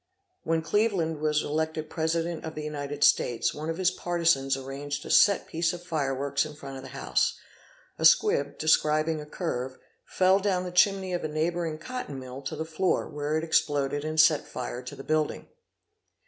When Cleveland was elected President of the United States one of his partisans arranged a set piece of fireworks in front of the house: a squib, describing —, a curve, fell down the chimney of a neighbouring cotton mill to the floor, where it exploded and set fire to the building.